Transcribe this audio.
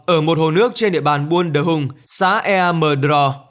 ở một hồ nước trên địa bàn buôn đờ hung xã ea mờ đro